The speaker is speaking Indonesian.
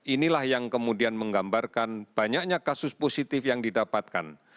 inilah yang kemudian menggambarkan banyaknya kasus positif yang didapatkan